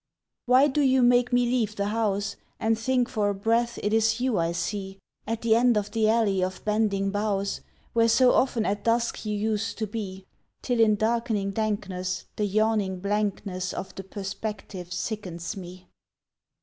Why do you make me leave the house And think for a breath it is you I see At the end of the alley of bending boughs Where so often at dusk you used to be; Till in darkening dankness The yawning blankness Of the perspective sickens me!